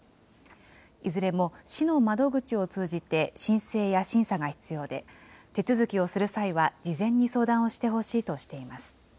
いずれも市の窓口を通じて、申請や審査が必要で、手続きをする際は、事前に相談をしてほしいとしています。